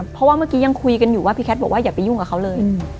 เพราะว่าเมื่อกี้ยังคุยกันอยู่ว่าพี่แคทบอกว่าอย่าไปยุ่งกับเขาเลย